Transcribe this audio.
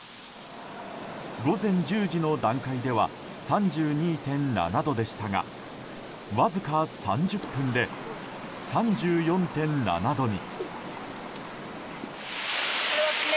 午前１０時の段階では３２．７度でしたがわずか３０分で３４．７度に。